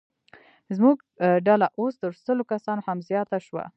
زموږ ډله اوس تر سلو کسانو هم زیاته شوه.